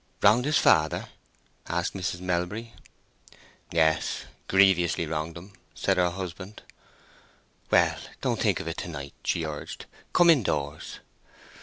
"Wronged his father?" asked Mrs. Melbury. "Yes, grievously wronged him," said her husband. "Well, don't think of it to night," she urged. "Come indoors."